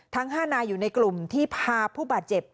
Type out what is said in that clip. ทั้ง๕นายอยู่ในกลุ่มที่พาผู้บาดเจ็บ